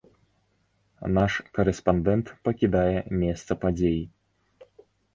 Наш карэспандэнт пакідае месца падзей.